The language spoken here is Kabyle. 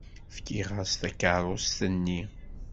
Fkiɣ-as takeṛṛust-nni.